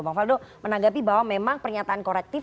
bang faldo menanggapi bahwa memang pernyataan korektif